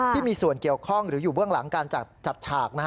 ที่มีส่วนเกี่ยวข้องหรืออยู่เบื้องหลังการจัดฉาก